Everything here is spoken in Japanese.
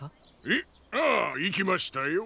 えっ？ああいきましたよ。